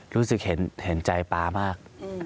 รู้สึกเห็นใจป๊ามาก